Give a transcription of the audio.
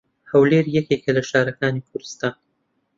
هەولێر یەکێکە لە شارەکانی کوردستان.